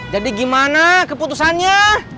jadi gimana keputusannya